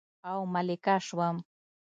او ملکه شوم